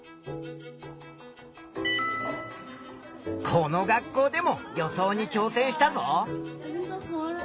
この学校でも予想にちょう戦したぞ。